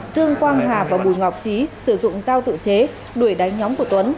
dương quang hà và bùi ngọc trí sử dụng dao tự chế đuổi đánh nhóm của tuấn